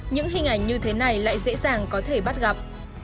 những hình ảnh như thế này lại dễ dàng có thể bắt gặp